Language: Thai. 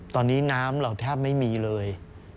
ตอนนี้น้ำเราแทบไม่มีเลย